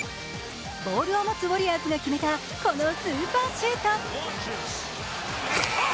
ボールを持つウォリアーズが決めたこのスーパーシュート。